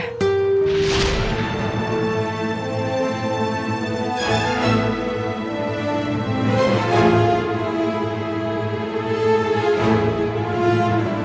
kepala bung su